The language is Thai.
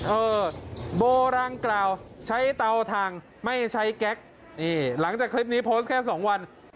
เออโบรังกล่าวใช้เตาทางไม่ใช้แก๊กนี่หลังจากคลิปนี้โพสต์แค่สองวัน